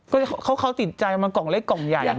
ก็เขาติดใจมันกล่องเล็กกล่องใหญ่